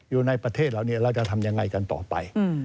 อยู่ในประเทศเหล่านี้เราจะทำยังไงกันต่อไป